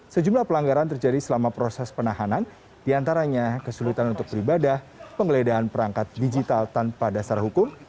sejumlah pelanggaran terjadi selama proses penahanan diantaranya kesulitan untuk beribadah penggeledahan perangkat digital tanpa dasar hukum